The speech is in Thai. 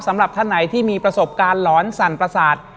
สำหรับท่านไหนที่มีประสบการณ์หลอนสั่นประสาท